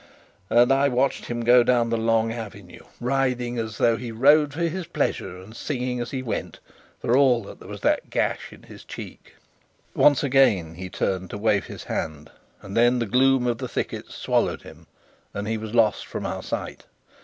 And I watched him go down the long avenue, riding as though he rode for his pleasure and singing as he went, for all there was that gash in his cheek. Once again he turned to wave his hand, and then the gloom of thickets swallowed him and he was lost from our sight.